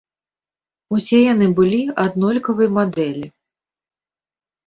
Усе яны былі аднолькавай мадэлі.